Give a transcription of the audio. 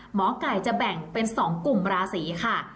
หมอไก่จะแบ่งเป็น๒กลุ่มราศีค่ะ